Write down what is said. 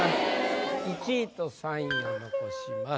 １位と３位残します。